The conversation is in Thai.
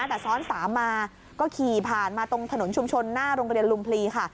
แต่ซ้อน๓มาก็ขี่ผ่านมาตรงถนนชุมชนหน้าโรงเรียนลุมพลีค่ะ